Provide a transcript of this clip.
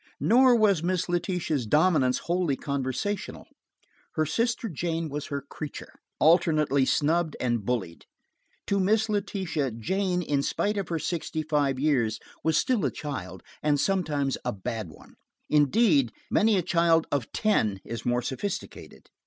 Nor was Miss Letitia's dominance wholly conversational. Her sister Jane was her creature, alternately snubbed and bullied. To Miss Letitia, Jane, in spite of her sixty five years, was still a child, and sometimes a bad one. Indeed many a child of ten is more sophisticated.